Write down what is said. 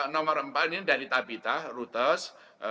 nomor empat ini dari tabitah rutes